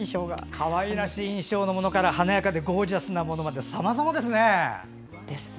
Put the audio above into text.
かわいらしい衣装のものから華やかでゴージャスなものまでさまざまですね。